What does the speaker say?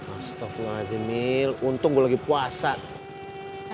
astagfirullahaladzimil untung gua lagi puas ya